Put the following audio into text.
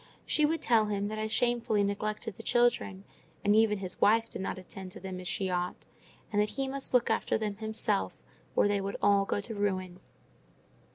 She would tell him that I shamefully neglected the children, and even his wife did not attend to them as she ought; and that he must look after them himself, or they would all go to ruin.